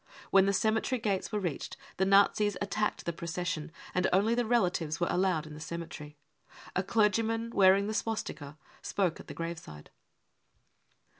When the cemetery gates were reached, the Nazis attacked the procession, and only the relatives were allowed in the cemetery. A clergyman wearing the swastika spoke at the graveside.